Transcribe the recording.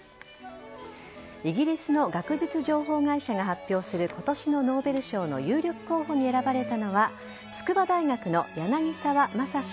イギリスの学術情報会社が発表する今年のノーベル賞の有力候補に選ばれたのは筑波大学の柳沢正史